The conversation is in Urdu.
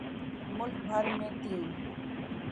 ملک بھر میں تین